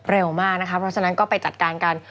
เร็วมากนะคะเพราะฉะนั้นก็ไปจัดการกัน